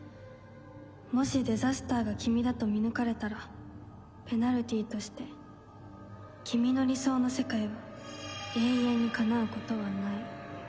もしデザスターが君だと見抜かれたらペナルティとして君の理想の世界は永遠に叶うことはない